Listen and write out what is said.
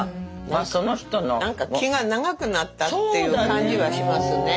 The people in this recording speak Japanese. まあその人の。何か気が長くなったっていう感じはしますね。